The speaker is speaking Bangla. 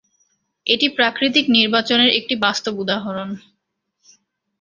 এটি প্রাকৃতিক নির্বাচনের একটি বাস্তব উদাহরণ।